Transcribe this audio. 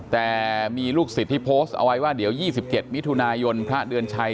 แต่มีลูกศิษย์ที่โพสต์เอาไว้ว่าเดี๋ยว๒๗มิถุนายนพระเดือนชัย